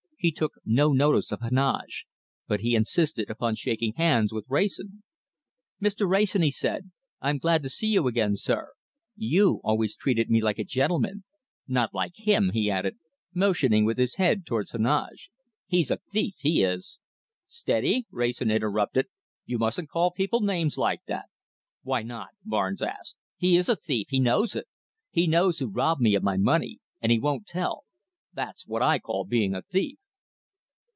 He took no notice of Heneage, but he insisted upon shaking hands with Wrayson. "Mr. Wrayson," he said, "I am glad to see you again, sir. You always treated me like a gentleman. Not like him," he added, motioning with his head towards Heneage. "He's a thief, he is!" "Steady," Wrayson interrupted, "you mustn't call people names like that." "Why not?" Barnes asked. "He is a thief. He knows it. He knows who robbed me of my money. And he won't tell. That's what I call being a thief."